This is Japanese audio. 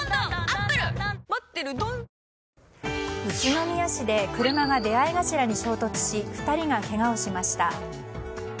宇都宮市で車が出合い頭に衝突し２人がけがをしました。